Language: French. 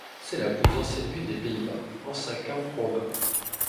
C'est la plus ancienne ville des Pays-Bas, ancien camp romain.